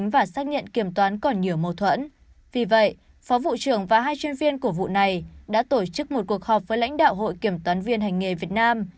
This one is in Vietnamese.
vì vậy phó vụ trưởng và hai chuyên viên của vụ này đã tổ chức một cuộc họp với lãnh đạo hội kiểm toán viên hành nghề việt nam